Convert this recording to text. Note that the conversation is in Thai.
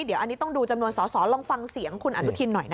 เดี๋ยวอันนี้ต้องดูจำนวนสอสอลองฟังเสียงคุณอนุทินหน่อยนะคะ